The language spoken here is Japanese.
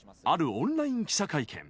オンライン記者会見。